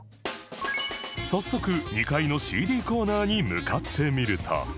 早速２階の ＣＤ コーナーに向かってみると